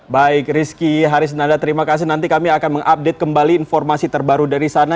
baik rizky harisnanda terima kasih nanti kami akan mengupdate kembali informasi terbaru dari sana